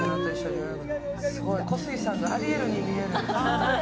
小杉さんがアリエルに見える。